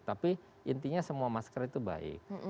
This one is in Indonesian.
tapi intinya semua masker itu baik